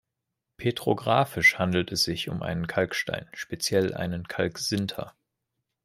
Petrographisch handelt es sich um einen Kalkstein, speziell einen Kalksinter.